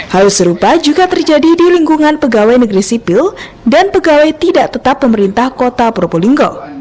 hal serupa juga terjadi di lingkungan pegawai negeri sipil dan pegawai tidak tetap pemerintah kota probolinggo